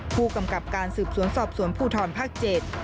ผู้กำกับการสืบสวนสอบสวนภูทรภาค๗